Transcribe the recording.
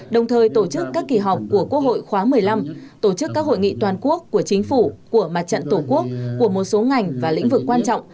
đồng thời tổ chức các kỳ họp của quốc hội khóa một mươi năm tổ chức các hội nghị toàn quốc của chính phủ của mặt trận tổ quốc của một số ngành và lĩnh vực quan trọng